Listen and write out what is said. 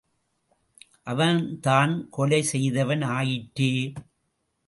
அவன் தான் கொலை செய்தவன் ஆயிற்றே!